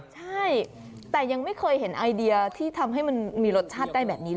ใช่แต่ยังไม่เคยเห็นไอเดียที่ทำให้มันมีรสชาติได้แบบนี้